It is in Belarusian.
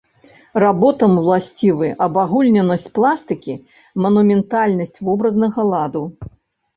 Работам уласцівы абагульненасць пластыкі, манументальнасць вобразнага ладу.